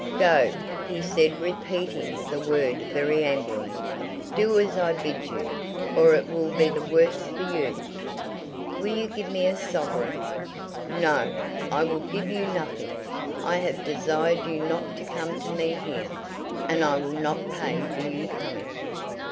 "Go," he said repeating the word very angrily. "Do as I bid you, or it will be the worse for you." "Will you give me a sovereign?" "No; I will give you nothing. I have desired you not to come to me here, and I will not pay for you coming."